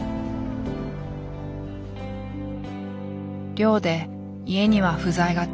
漁で家には不在がち。